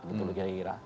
gitu loh gaya irak